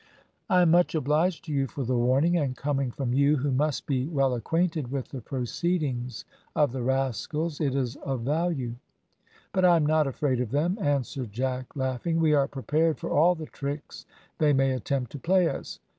"I am much obliged to you for the warning, and coming from you, who must be well acquainted with the proceedings of the rascals, it is of value; but I am not afraid of them," answered Jack, laughing. "We are prepared for all the tricks they may attempt to play us.